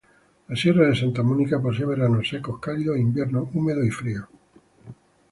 La sierra de Santa Mónica posee veranos secos, cálidos e inviernos húmedos y fríos.